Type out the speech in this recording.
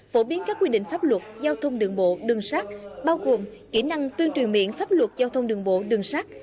phổ biến các quy định pháp luật giao thông đường bộ đường sát bao gồm kỹ năng tuyên truyền miệng pháp luật giao thông đường bộ đường sắt